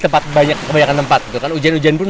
kebanyakan tempat hujan hujan pun